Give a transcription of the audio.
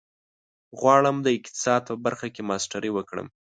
غواړم د اقتصاد په برخه کې ماسټري وکړم.